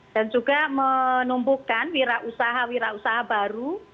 dan juga menumbuhkan wirausaha wirausaha baru